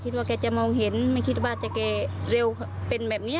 ว่าแกจะมองเห็นไม่คิดว่าจะแกเร็วเป็นแบบนี้